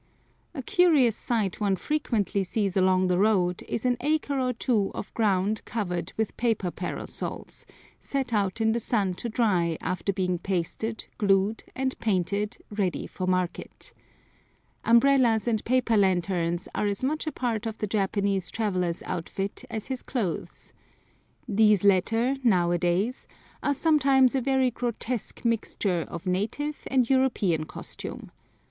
A curious sight one frequently sees along the road is an acre or two of ground covered with paper parasols, set out in the sun to dry after being pasted, glued, and painted ready for market. Umbrellas and paper lanterns are as much a part of the Japanese traveller's outfit as his clothes. These latter, nowadays, are sometimes a very grotesque mixture of native and European costume.